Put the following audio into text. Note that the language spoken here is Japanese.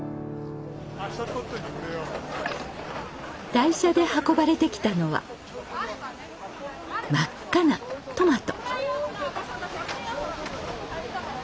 台車で運ばれてきたのは真っ赤なトマト。